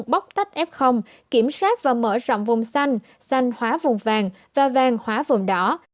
bóc tách f kiểm soát và mở rộng vùng xanh xanh hóa vùng vàng và vàng hóa vùng đỏ